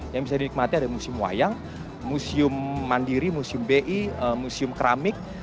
yang bisa dinikmati ada museum wayang museum mandiri museum bi museum keramik